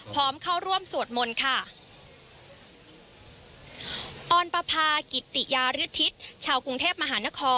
พร้อมเข้าร่วมสวดมนตร์ค่ะ